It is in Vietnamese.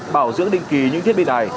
bảo dưỡng định ký những thiết bị này